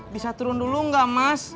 bisa turun dulu nggak mas